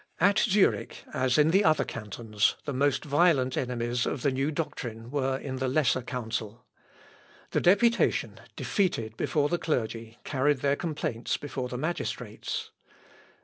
At Zurich, as in the other cantons, the most violent enemies of the new doctrine were in the Lesser Council. The deputation, defeated before the clergy, carried their complaints before the magistrates.